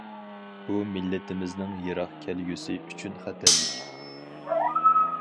بۇ مىللىتىمىزنىڭ يىراق كەلگۈسى ئۈچۈن خەتەرلىك.